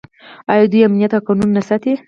آیا دوی امنیت او قانون نه ساتي؟